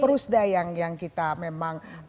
perusda yang kita memang